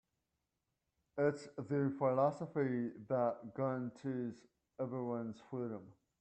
It's the philosophy that guarantees everyone's freedom.